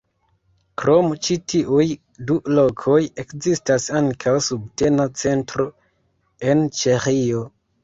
Krom ĉi tiuj du lokoj, ekzistas ankaŭ subtena centro en Ĉeĥio.